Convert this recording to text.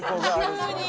急に。